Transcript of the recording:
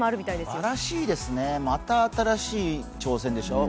すばらしいですね、また新しい挑戦でしょう。